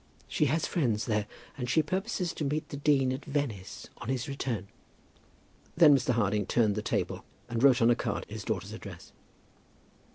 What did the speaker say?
She has friends there, and she purposes to meet the dean at Venice on his return." Then Mr. Harding turned the table and wrote on a card his daughter's address.